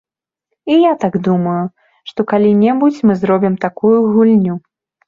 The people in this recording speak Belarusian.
І я так думаю, што калі-небудзь мы зробім такую гульню.